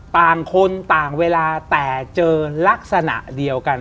ต่างคนต่างเวลาแต่เจอลักษณะเดียวกัน